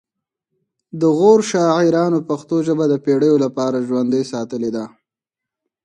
د غور شاعرانو پښتو ژبه د پیړیو لپاره ژوندۍ ساتلې ده